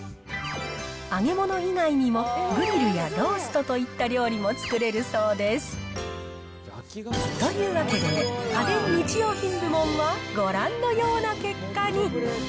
揚げ物以外にも、グリルやローストといった料理も作れるそうです。というわけで、家電・日用品部門はご覧のような結果に。